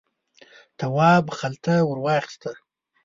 تواب خلته ور واخیسته.